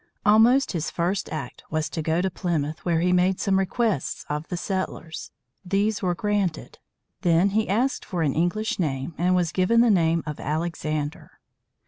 Almost his first act was to go to Plymouth, where he made some requests of the settlers. These were granted. Then he asked for an English name, and was given the name of Alexander.